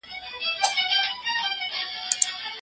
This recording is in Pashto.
هر څومره چي غواړې صدقه ورکړه.